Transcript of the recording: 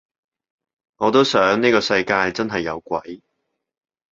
我都想呢個世界真係有鬼